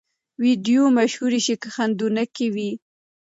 ویډیو مشهورې شي که خندوونکې وي.